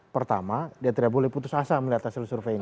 pertama dia tidak boleh putus asa melihat hasil survei ini